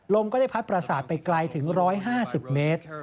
ลมก็ได้พัดประสาทไปไกลถึง๑๕๐เมตร